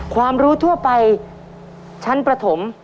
ความรู้ทั่วไปชั้นประถม